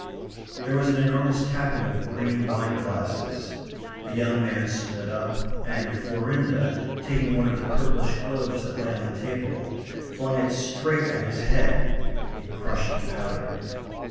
There was an enormous tapping of green wine glasses. A young man stood up, and Florinda, taking one of the purplish globes that lay on the table, flung it straight at his head. It crushed to powder.